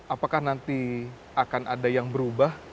apakah nanti akan ada yang berubah